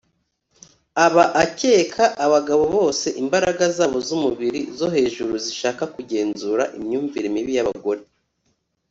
aba akeka abagabo bose imbaraga zabo z'umubiri zo hejuru zishaka kugenzura imyumvire mibi yabagore